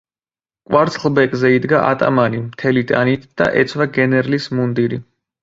კვარცხლბეკზე იდგა ატამანი მთელი ტანით და ეცვა გენერლის მუნდირი.